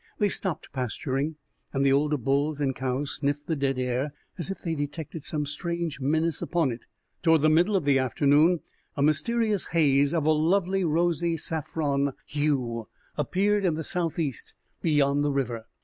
They stopped pasturing, and the older bulls and cows sniffed the dead air as if they detected some strange menace upon it. Toward the middle of the afternoon a mysterious haze, of a lovely rosy saffron hue, appeared in the southeast beyond the river.